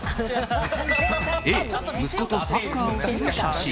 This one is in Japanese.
Ａ、息子とサッカーをする写真